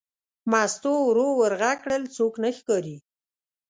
مستو ورو ور غږ کړل: څوک نه ښکاري.